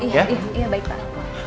iya baik pak